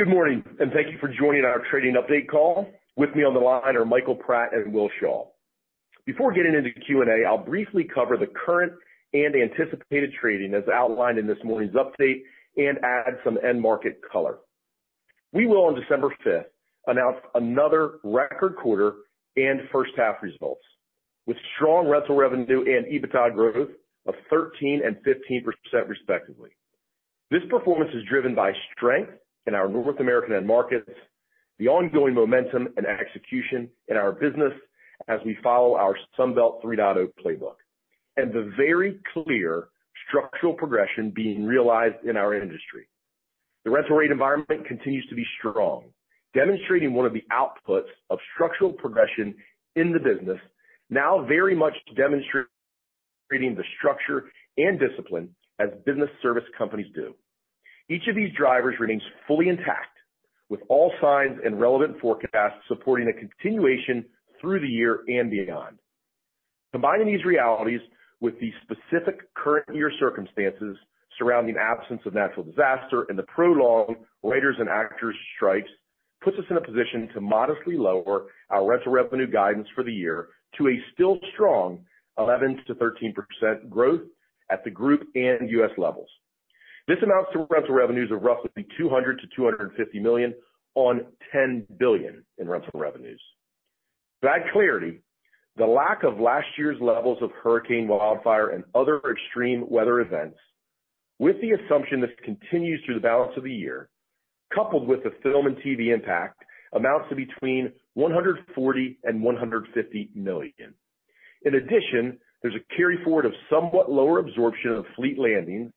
Good morning, and thank you for joining our trading update call. With me on the line are Michael Pratt and Will Shaw. Before getting into the Q&A, I'll briefly cover the current and anticipated trading as outlined in this morning's update and add some end market color. We will, on December fifth, announce another record quarter and first half results, with strong rental revenue and EBITDA growth of 13% and 15% respectively. This performance is driven by strength in our North American end markets, the ongoing momentum and execution in our business as we follow our Sunbelt 3.0 playbook, and the very clear structural progression being realized in our industry. The rental rate environment continues to be strong, demonstrating one of the outputs of structural progression in the business, now very much demonstrating the structure and discipline as business service companies do. Each of these drivers remains fully intact, with all signs and relevant forecasts supporting a continuation through the year and beyond. Combining these realities with the specific current year circumstances surrounding absence of natural disaster and the prolonged writers and actors strikes, puts us in a position to modestly lower our rental revenue guidance for the year to a still strong 11%-13% growth at the group and U.S. levels. This amounts to rental revenues of roughly $200 million-$250 million on $10 billion in rental revenues. That clarity, the lack of last year's levels of hurricane, wildfire, and other extreme weather events, with the assumption this continues through the balance of the year, coupled with the film and TV impact, amounts to between $140 million and $150 million. In addition, there's a carry forward of somewhat lower absorption of fleet landings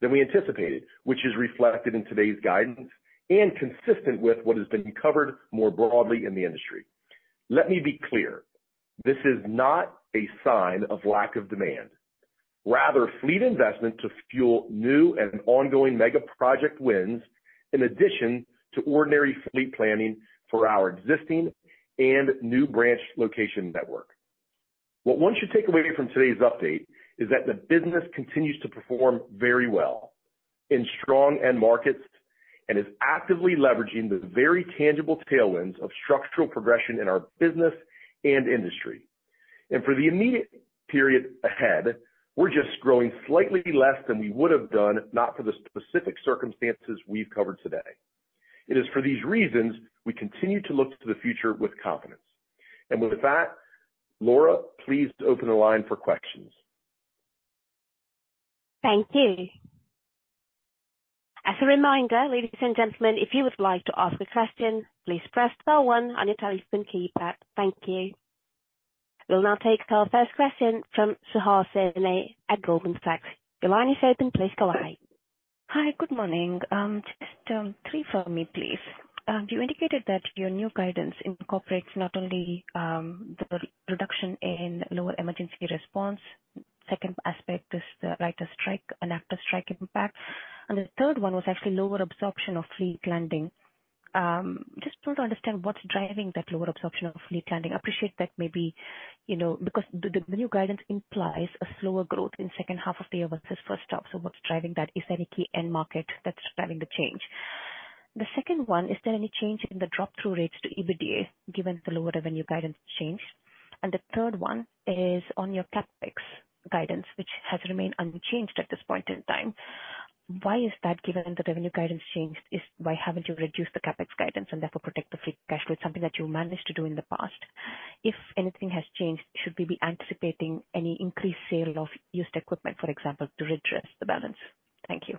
than we anticipated, which is reflected in today's guidance and consistent with what has been covered more broadly in the industry. Let me be clear, this is not a sign of lack of demand. Rather, fleet investment to fuel new and ongoing mega project wins, in addition to ordinary fleet planning for our existing and new branch location network. What one should take away from today's update is that the business continues to perform very well in strong end markets and is actively leveraging the very tangible tailwinds of structural progression in our business and industry. And for the immediate period ahead, we're just growing slightly less than we would have done, not for the specific circumstances we've covered today. It is for these reasons we continue to look to the future with confidence. With that, Laura, please open the line for questions. Thank you. As a reminder, ladies and gentlemen, if you would like to ask a question, please press star one on your telephone keypad. Thank you. We'll now take our first question from Suhasini at Goldman Sachs. Your line is open. Please go ahead. Hi, good morning. Just three for me, please. You indicated that your new guidance incorporates not only the reduction in lower Emergency Response. Second aspect is the writer strike and actor strike impact. And the third one was actually lower absorption of Fleet Landings. Just don't understand what's driving that lower absorption of Fleet Landings. I appreciate that maybe, you know, because the new guidance implies a slower growth in second half of the year versus first half. So what's driving that? Is there any key end market that's driving the change? The second one, is there any change in the drop-through rates to EBITDA, given the lower revenue guidance change? And the third one is on your CapEx guidance, which has remained unchanged at this point in time. Why is that, given the revenue guidance change, is... Why haven't you reduced the CapEx guidance and therefore protect the free cash flow, something that you managed to do in the past? If anything has changed, should we be anticipating any increased sale of used equipment, for example, to readdress the balance? Thank you.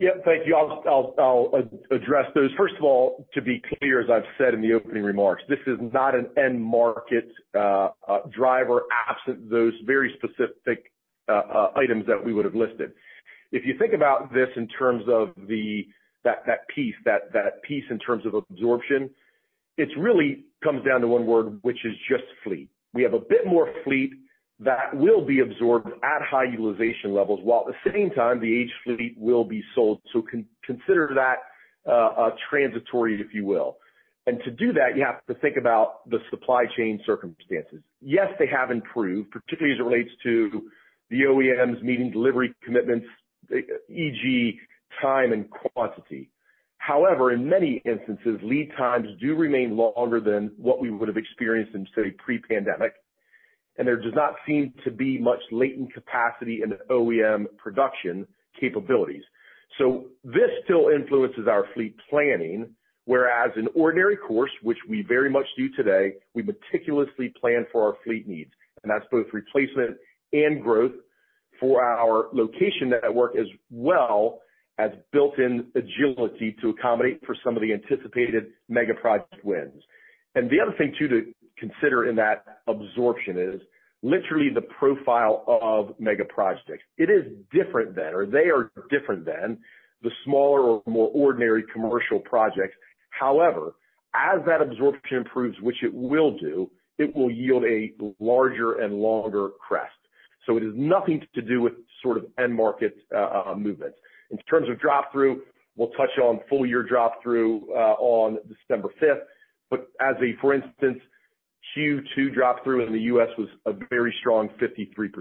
Yeah, thank you. I'll address those. First of all, to be clear, as I've said in the opening remarks, this is not an end market driver, absent those very specific items that we would have listed. If you think about this in terms of that piece in terms of absorption, it's really comes down to one word, which is just fleet. We have a bit more fleet that will be absorbed at high utilization levels, while at the same time, the aged fleet will be sold. So consider that transitory, if you will. And to do that, you have to think about the supply chain circumstances. Yes, they have improved, particularly as it relates to the OEMs meeting delivery commitments, e.g., time and quantity. However, in many instances, lead times do remain longer than what we would have experienced in, say, pre-pandemic, and there does not seem to be much latent capacity in OEM production capabilities. So this still influences our fleet planning, whereas in ordinary course, which we very much do today, we meticulously plan for our fleet needs, and that's both replacement and growth for our location network, as well as built-in agility to accommodate for some of the anticipated mega project wins. And the other thing, too, to consider in that absorption is literally the profile of mega projects. It is different than, or they are different than the smaller or more ordinary commercial projects. However, as that absorption improves, which it will do, it will yield a larger and longer crest. So it has nothing to do with sort of end market movements. In terms of drop-through, we'll touch on full year drop-through on December fifth, but as a for instance, Q2 drop through in the U.S. was a very strong 53%.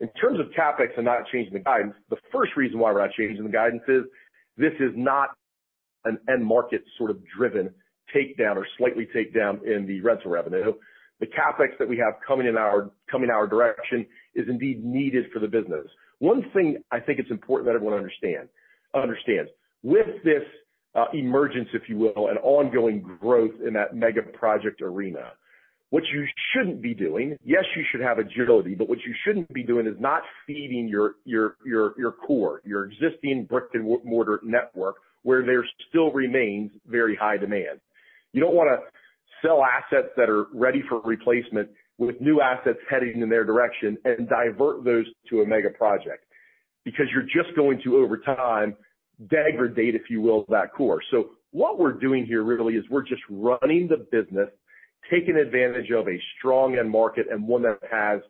In terms of CapEx and not changing the guidance, the first reason why we're not changing the guidance is, this is not an end market sort of driven takedown or slightly takedown in the rental revenue. The CapEx that we have coming in our, coming our direction is indeed needed for the business. One thing I think it's important that everyone understand, understands. With this emergence, if you will, and ongoing growth in that mega project arena, what you shouldn't be doing, yes, you should have agility, but what you shouldn't be doing is not feeding your, your, your, your core, your existing brick-and-mortar network, where there still remains very high demand. You don't wanna sell assets that are ready for replacement with new assets heading in their direction and divert those to a mega project, because you're just going to, over time, degrade, if you will, that core. So what we're doing here really is we're just running the business, taking advantage of a strong end market and one that has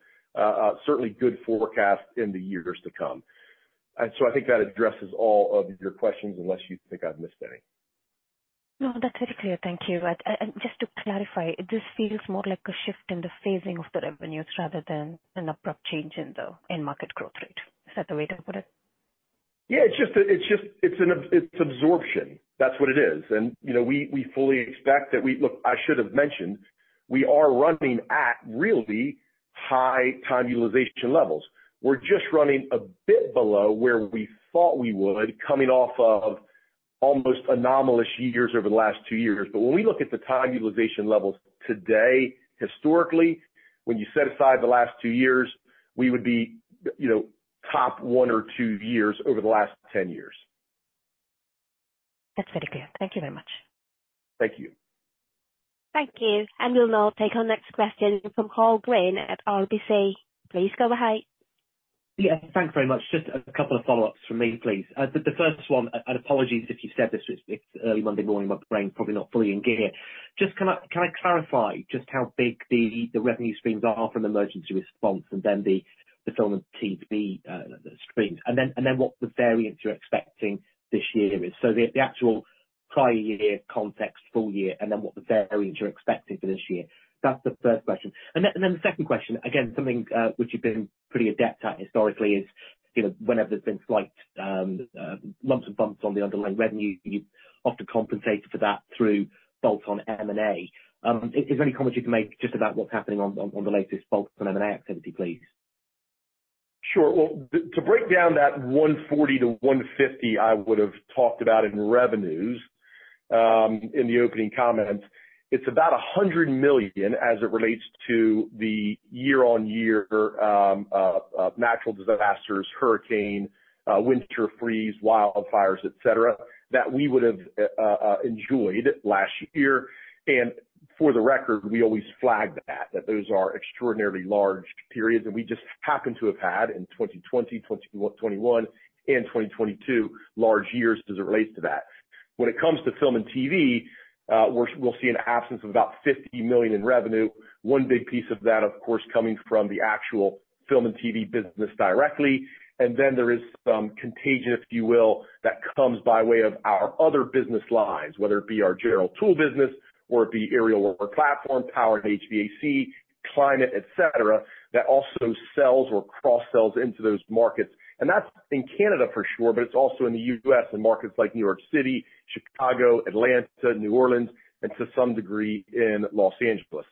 certainly good forecast in the years to come. And so I think that addresses all of your questions, unless you think I've missed any. No, that's very clear. Thank you. But and just to clarify, this feels more like a shift in the phasing of the revenues rather than an abrupt change in the end market growth rate. Is that the way to put it? Yeah, it's just absorption. That's what it is. And, you know, we fully expect that we... Look, I should have mentioned, we are running at really high time utilization levels. We're just running a bit below where we thought we would, coming off of almost anomalous years over the last two years. But when we look at the time utilization levels today, historically, when you set aside the last two years, we would be, you know, top one or two years over the last 10 years. That's very clear. Thank you very much. Thank you. Thank you. We'll now take our next question from Karl Green at RBC. Please go ahead. Yeah, thanks very much. Just a couple of follow-ups from me, please. The first one, and apologies if you've said this, it's early Monday morning, my brain is probably not fully in gear. Just can I clarify just how big the revenue streams are from Emergency Response and then the Film and TV streams? And then what the variance you're expecting this year is. So the actual prior year context, full year, and then what the variance you're expecting for this year. That's the first question. And then the second question, again, something which you've been pretty adept at historically is, you know, whenever there's been slight lumps and bumps on the underlying revenue, you often compensate for that through bolt-on M&A. Is there any comment you can make just about what's happening on the latest bolt-on M&A activity, please? Sure. Well, to break down that 140-150, I would've talked about in revenues, in the opening comments, it's about $100 million as it relates to the year-on-year, natural disasters, hurricane, winter freeze, wildfires, et cetera, that we would have enjoyed last year. And for the record, we always flag that, that those are extraordinarily large periods, and we just happen to have had in 2020, 2021, and 2022, large years as it relates to that. When it comes to Film and TV, we're, we'll see an absence of about $50 million in revenue. One big piece of that, of course, coming from the actual Film and TV business directly. And then there is some contagion, if you will, that comes by way of our other business lines, whether it be our general tool business or the aerial work platform, power, HVAC, climate, et cetera, that also sells or cross-sells into those markets. And that's in Canada for sure, but it's also in the U.S. and markets like New York City, Chicago, Atlanta, New Orleans, and to some degree in Los Angeles.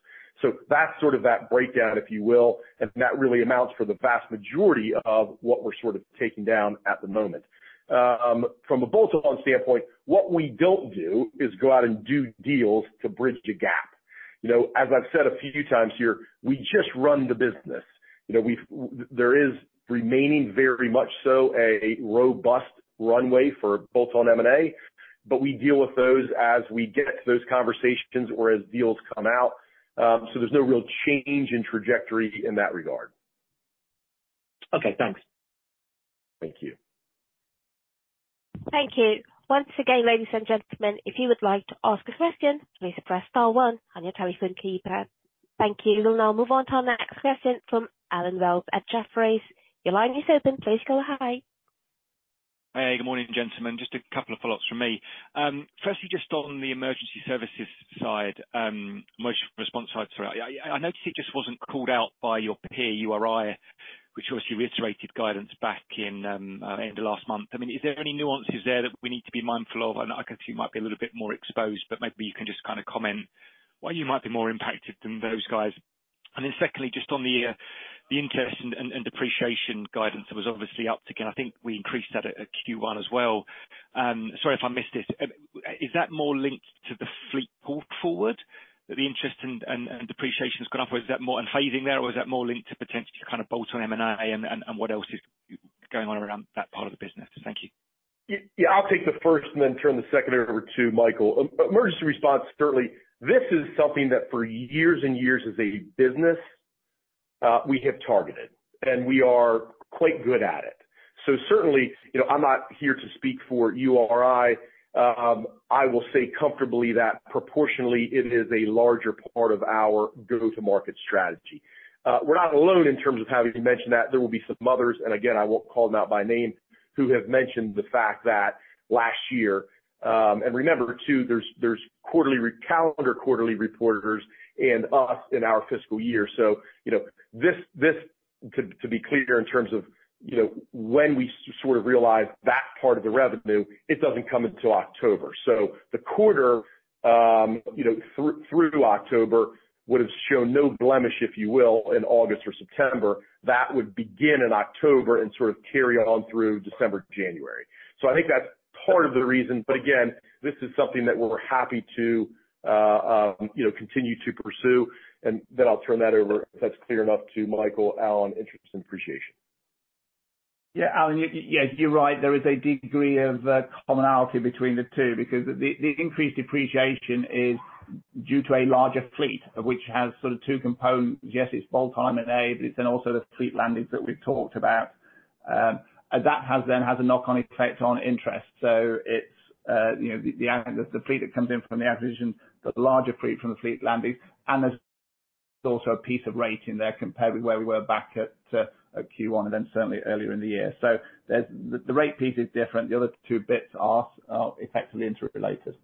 So that's sort of that breakdown, if you will, and that really amounts for the vast majority of what we're sort of taking down at the moment. From a bolt-on standpoint, what we don't do is go out and do deals to bridge a gap. You know, as I've said a few times here, we just run the business. You know, there is remaining very much so a robust runway for bolt-on M&A, but we deal with those as we get to those conversations or as deals come out. So there's no real change in trajectory in that regard. Okay, thanks. Thank you. Thank you. Once again, ladies and gentlemen, if you would like to ask a question, please press star one on your telephone keypad. Thank you. We'll now move on to our next question from Allen Wells at Jefferies. Your line is open. Please go ahead. Hey, good morning, gentlemen. Just a couple of follow-ups from me. Firstly, just on the emergency response side, sorry. I noticed it just wasn't called out by your peer URI, which obviously reiterated guidance back in end of last month. I mean, is there any nuances there that we need to be mindful of? I know Cat might be a little bit more exposed, but maybe you can just kind of comment why you might be more impacted than those guys. And then secondly, just on the interest and depreciation guidance was obviously up again. I think we increased that at Q1 as well. Sorry if I missed it. Is that more linked to the fleet pulled forward? That the interest and depreciation has gone up, or is that more on phasing there, or is that more linked to potentially kind of bolt-on M&A and what else is going on around that part of the business? Thank you. Yeah, yeah, I'll take the first and then turn the second over to Michael. Emergency response, certainly, this is something that for years and years as a business, we have targeted, and we are quite good at it. So certainly, you know, I'm not here to speak for URI. I will say comfortably that proportionally it is a larger part of our go-to-market strategy. We're not alone in terms of having mentioned that there will be some others, and again, I won't call them out by name... who have mentioned the fact that last year, and remember too, there's quarterly recalendar, quarterly reporters and us in our fiscal year. So you know, this, to be clear, in terms of, you know, when we sort of realize that part of the revenue, it doesn't come until October. So the quarter, you know, through October, would've shown no blemish, if you will, in August or September. That would begin in October and sort of carry on through December, January. So I think that's part of the reason, but again, this is something that we're happy to, you know, continue to pursue, and then I'll turn that over, if that's clear enough, to Michael Allen, interest and appreciation. Yeah, Alan, yes, you're right. There is a degree of commonality between the two, because the increased depreciation is due to a larger fleet, which has sort of two components. Yes, it's bolt-on M&A, but it's then also the fleet landings that we've talked about. And that has a knock-on effect on interest. So it's, you know, the fleet that comes in from the acquisition, the larger fleet from the fleet landing, and there's also a piece of rate in there compared with where we were back at Q1 and then certainly earlier in the year. So there's... The rate piece is different. The other two bits are effectively interrelated.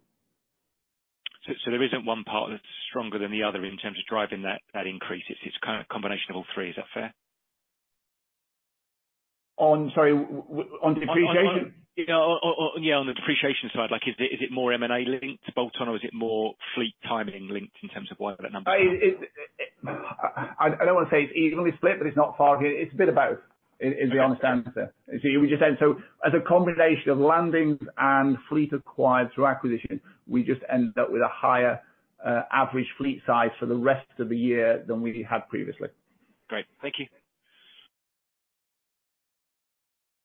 So, there isn't one part that's stronger than the other in terms of driving that increase. It's kind of a combination of all three. Is that fair? Oh, sorry, on depreciation? Yeah, on the depreciation side, like is it more M&A linked bolt-on, or is it more fleet timing linked in terms of why that number is? I don't want to say it's evenly split, but it's not far. It's a bit of both, is the honest answer. Okay. See, we just said, so as a combination of landings and fleet acquired through acquisition, we just ended up with a higher average fleet size for the rest of the year than we had previously. Great. Thank you.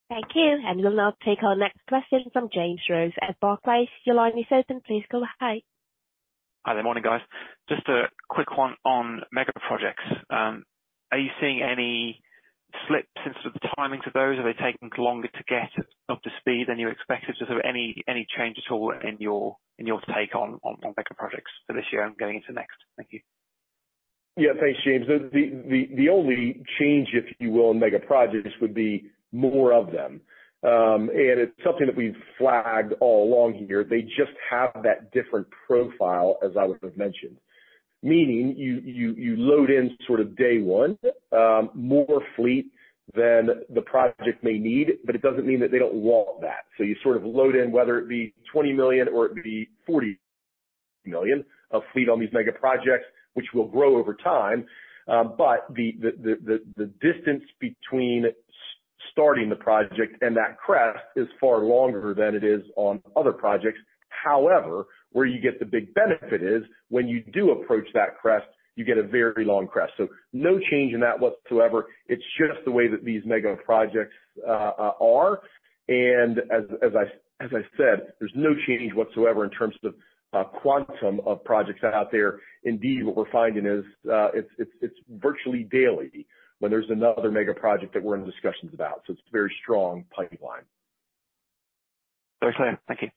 Thank you. And we'll now take our next question from James Rose at Barclays. Your line is open. Please go ahead. Hi there. Morning, guys. Just a quick one on mega projects. Are you seeing any slips in sort of the timing for those? Are they taking longer to get up to speed than you expected? Is there any change at all in your take on mega projects for this year and going into next? Thank you. Yeah, thanks, James. The only change, if you will, in Mega Projects, would be more of them. And it's something that we've flagged all along here. They just have that different profile, as I would have mentioned. Meaning you load in sort of day one, more fleet than the project may need, but it doesn't mean that they don't want that. So you sort of load in, whether it be $20 million or $40 million of fleet on these Mega Projects, which will grow over time. But the distance between starting the project and that crest is far longer than it is on other projects. However, where you get the big benefit is, when you do approach that crest, you get a very long crest. So no change in that whatsoever. It's just the way that these mega projects are. And as I said, there's no change whatsoever in terms of quantum of projects out there. Indeed, what we're finding is, it's virtually daily when there's another mega project that we're in discussions about. So it's a very strong pipeline. Very clear. Thank you.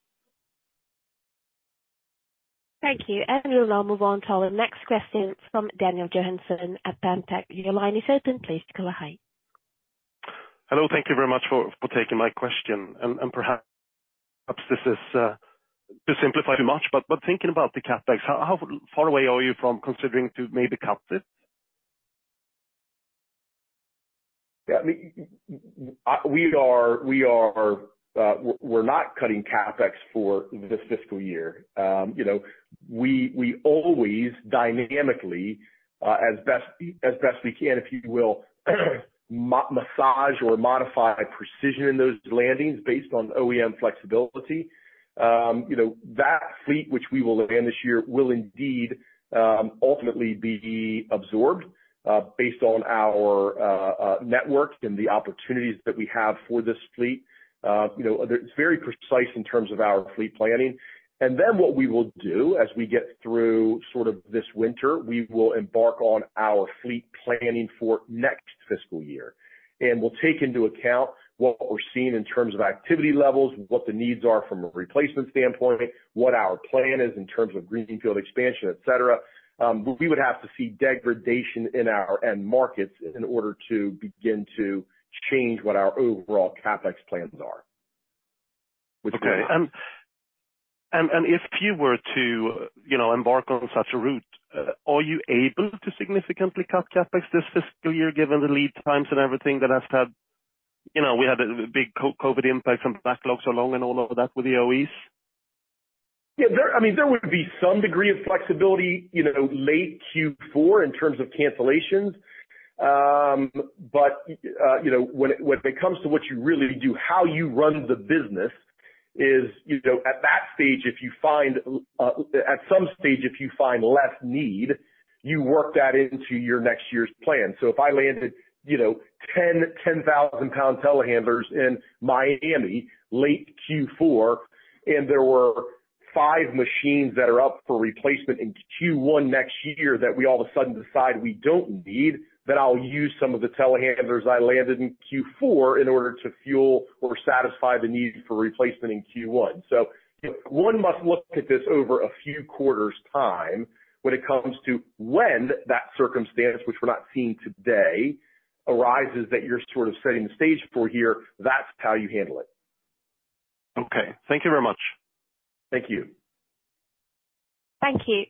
Thank you. We'll now move on to our next question from Daniel Johansson at Banktech]. Your line is open. Please go ahead. Hello. Thank you very much for taking my question, and perhaps this is to simplify too much, but thinking about the CapEx, how far away are you from considering to maybe cap it? Yeah, I mean, we are, we're not cutting CapEx for this fiscal year. You know, we always dynamically, as best we can, if you will, massage or modify precision in those landings based on OEM flexibility. You know, that fleet, which we will land this year, will indeed ultimately be absorbed based on our networks and the opportunities that we have for this fleet. You know, it's very precise in terms of our fleet planning. And then what we will do as we get through sort of this winter, we will embark on our fleet planning for next fiscal year, and we'll take into account what we're seeing in terms of activity levels, what the needs are from a replacement standpoint, what our plan is in terms of greenfield expansion, et cetera. But we would have to see degradation in our end markets in order to begin to change what our overall CapEx plans are. Okay. And if you were to, you know, embark on such a route, are you able to significantly cut CapEx this fiscal year, given the lead times and everything that has had... You know, we had a big COVID impact on backlogs along and all of that with the OEs? Yeah, I mean, there would be some degree of flexibility, you know, late Q4 in terms of cancellations. But, you know, when it comes to what you really do, how you run the business is, you know, at that stage, if you find at some stage, if you find less need, you work that into your next year's plan. So if I landed, you know, 10,000-pound telehandlers in Miami, late Q4, and there were five machines that are up for replacement in Q1 next year, that we all of a sudden decide we don't need, then I'll use some of the telehandlers I landed in Q4 in order to fuel or satisfy the need for replacement in Q1. So, one must look at this over a few quarters' time when it comes to when that circumstance, which we're not seeing today, arises, that you're sort of setting the stage for here. That's how you handle it. Okay, thank you very much. Thank you. Thank you.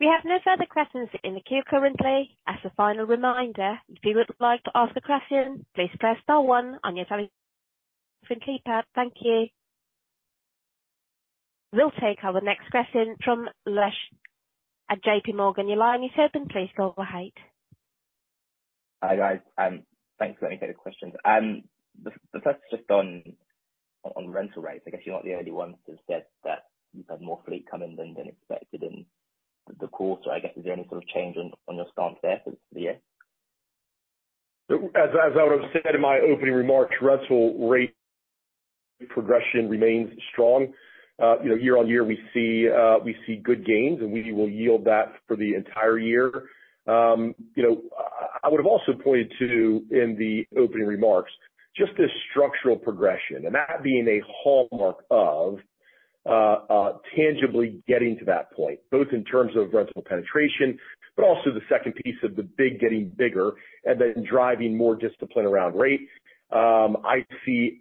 We have no further questions in the queue currently. As a final reminder, if you would like to ask a question, please press star one on your telephone keypad. Thank you. We'll take our next question from Lush at JPMorgan. Your line is open, please go ahead. Hi, guys. Thanks for letting me get the questions. The first just on rental rates. I guess you're not the only ones who've said that you've had more fleet come in than expected in the quarter. I guess, is there any sort of change on your stance there for the year? As I would've said in my opening remarks, rental rate progression remains strong. You know, year on year, we see good gains, and we will yield that for the entire year. You know, I would have also pointed to, in the opening remarks, just this structural progression and that being a hallmark of tangibly getting to that point, both in terms of rental penetration, but also the second piece of the big getting bigger and then driving more discipline around rates. You know, I see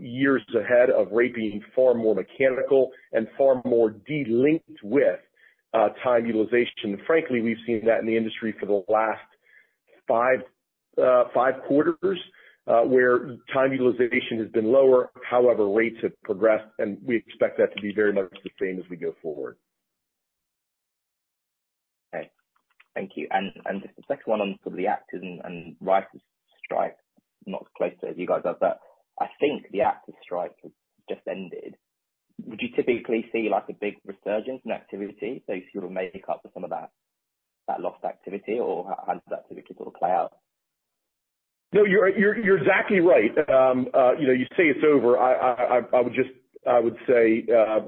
years ahead of rate being far more mechanical and far more de-linked with time utilization. Frankly, we've seen that in the industry for the last five quarters, where time utilization has been lower, however, rates have progressed, and we expect that to be very much the same as we go forward. Okay. Thank you. And the second one on some of the actors and writers' strike, not as close to it as you guys are, but I think the actors strike has just ended. Would you typically see, like, a big resurgence in activity, so you sort of make up for some of that lost activity, or how does that typically sort of play out? No, you're exactly right. You know, you say it's over. I would say,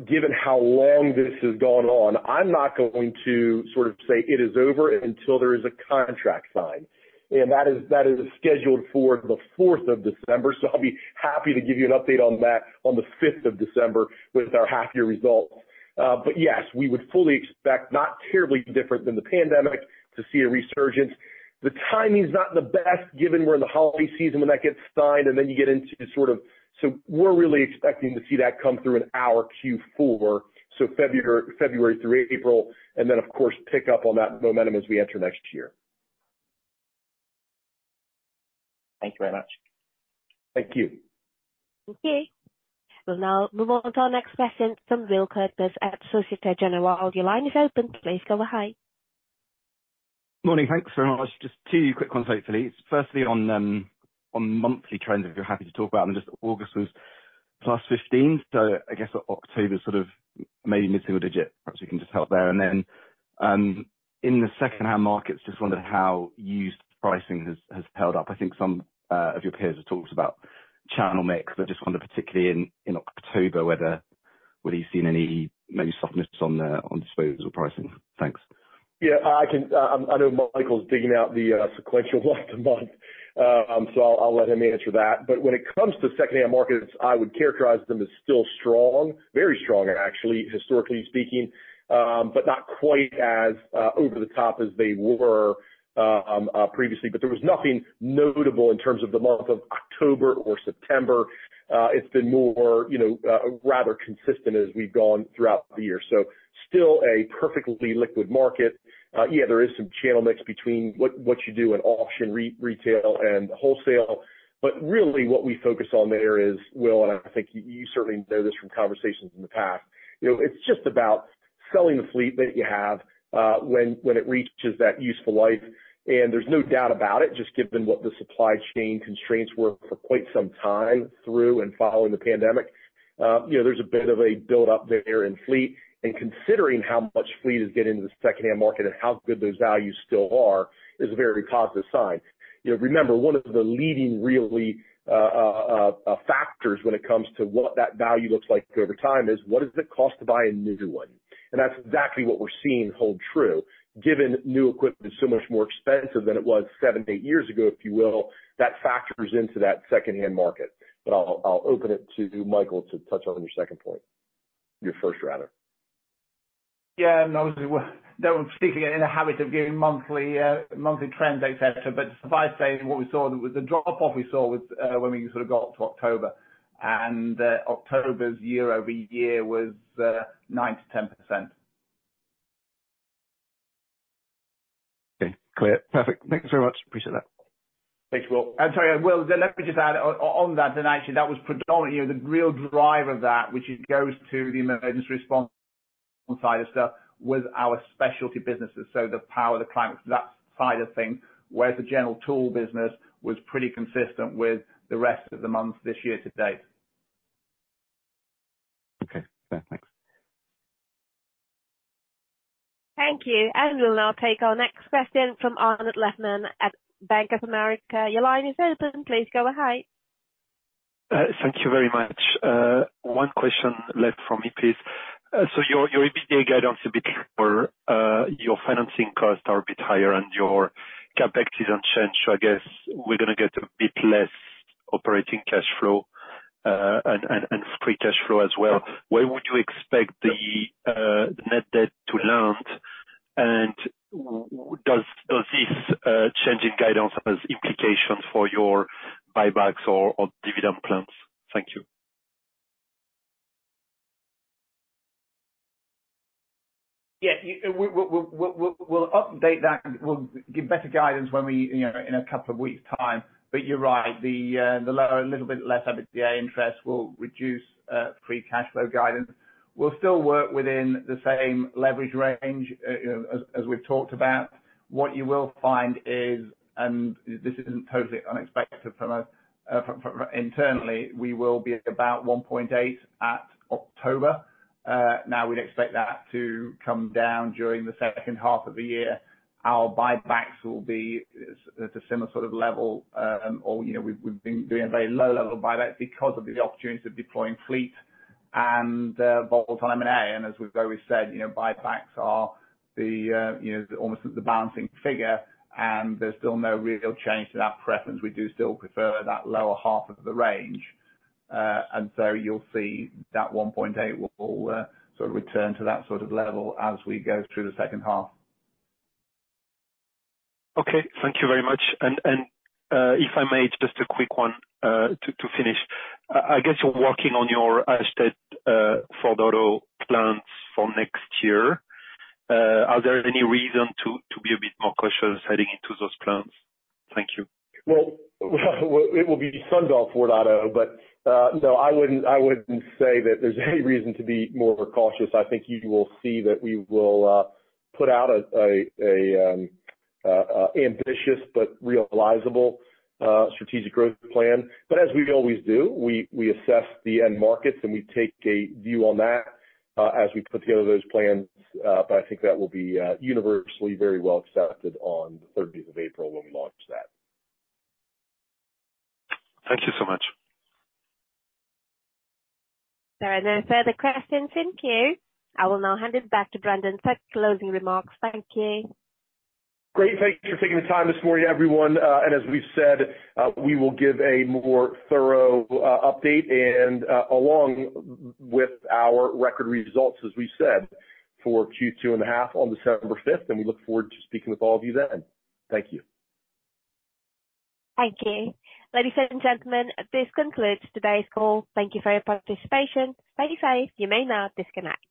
given how long this has gone on, I'm not going to sort of say it is over until there is a contract signed, and that is scheduled for the 4th of December. So I'll be happy to give you an update on that on the 5th of December with our half year results. But yes, we would fully expect, not terribly different than the pandemic, to see a resurgence. The timing's not the best, given we're in the holiday season when that gets signed, and then you get into sort of... So we're really expecting to see that come through in our Q4, so February through April, and then, of course, pick up on that momentum as we enter next year. Thank you very much. Thank you. Thank you. We'll now move on to our next question from Will Kirkness at Société Générale. Your line is open. Please go ahead. Morning. Thanks very much. Just two quick ones, hopefully. Firstly, on monthly trends, if you're happy to talk about, and just August was +15, so I guess October sort of maybe missing a digit. Perhaps you can just help there. And then, in the secondhand markets, just wondered how used pricing has held up. I think some of your peers have talked about channel mix, but just wondered, particularly in October, whether you've seen any maybe softness on the disposable pricing. Thanks. Yeah, I can... I know Michael's digging out the, sequential last month, so I'll, I'll let him answer that. But when it comes to secondhand markets, I would characterize them as still strong, very strong actually, historically speaking, but not quite as, over the top as they were, previously. But there was nothing notable in terms of the month of October or September. It's been more, you know, rather consistent as we've gone throughout the year. So still a perfectly liquid market. Yeah, there is some channel mix between what you do in auction, retail, and wholesale, but really what we focus on there is, Will, and I think you certainly know this from conversations in the past, you know, it's just about selling the fleet that you have when it reaches that useful life. And there's no doubt about it, just given what the supply chain constraints were for quite some time through and following the pandemic, you know, there's a bit of a buildup there in fleet. And considering how much fleet is getting in the secondhand market and how good those values still are is a very positive sign. You know, remember, one of the leading really factors when it comes to what that value looks like over time is: What is the cost to buy a new one? That's exactly what we're seeing hold true. Given new equipment is so much more expensive than it was seven, eight years ago, if you will, that factors into that secondhand market. But I'll, I'll open it to Michael to touch on your second point. Your first rather. Yeah, and obviously, we're speaking in a habit of giving monthly, monthly trends, et cetera. But suffice to say, what we saw, the drop off we saw was, when we sort of got to October, and, October's year-over-year was, nine to 10%. Okay, clear. Perfect. Thank you so much. Appreciate that. Thanks, Will. I'm sorry, Will, let me just add on that, and actually that was predominantly, you know, the real driver of that, which it goes to the Emergency Response side of stuff, with our specialty businesses, so the power, the climate, that side of things. Where the general tool business was pretty consistent with the rest of the months this year to date. Okay, fair. Thanks. Thank you. We'll now take our next question from Arnaud Lehmann at Bank of America. Your line is open. Please go ahead. Thank you very much. One question left from me, please. So your EBITDA guidance a bit lower, your financing costs are a bit higher, and your CapEx is unchanged. So I guess we're gonna get a bit less operating cash flow, and free cash flow as well. Where would you expect the net debt to land? And does this change in guidance have implications for your buybacks or dividend plans? Thank you. Yeah, we'll update that. We'll give better guidance when we, you know, in a couple of weeks' time. But you're right, the lower, a little bit less EBITDA interest will reduce free cash flow guidance. We'll still work within the same leverage range, you know, as we've talked about. What you will find is, and this isn't totally unexpected from a, from internally, we will be at about 1.8 at October. Now we'd expect that to come down during the second half of the year. Our buybacks will be at a similar sort of level. Or, you know, we've been doing a very low level of buybacks because of the opportunities of deploying fleet and volatile M&A. As we've always said, you know, buybacks are the, you know, almost the balancing figure, and there's still no real change to that preference. We do still prefer that lower half of the range. And so you'll see that 1.8 will sort of return to that sort of level as we go through the second half. Okay, thank you very much. And if I may, just a quick one to finish. I guess you're working on your Sunbelt 4.0 plans for next year. Are there any reason to be a bit more cautious heading into those plans? Thank you. Well, it will be Sunbelt 4.0, but no, I wouldn't, I wouldn't say that there's any reason to be more cautious. I think you will see that we will put out a ambitious but realizable strategic growth plan. But as we always do, we assess the end markets, and we take a view on that as we put together those plans. But I think that will be universally very well accepted on the 13th of April when we launch that. Thank you so much. There are no further questions in queue. I will now hand it back to Brendan for closing remarks. Thank you. Great. Thank you for taking the time this morning, everyone. As we've said, we will give a more thorough update and, along with our record results, as we've said, for Q2 and a half on December 5th, and we look forward to speaking with all of you then. Thank you. Thank you. Ladies and gentlemen, this concludes today's call. Thank you for your participation. Bye-bye. You may now disconnect.